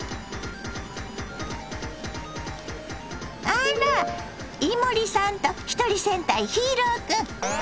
あら伊守さんとひとり戦隊ヒーロー君。